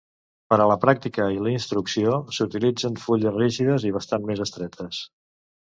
Per a la pràctica i la instrucció, s'utilitzen fulles rígides i bastant més estretes.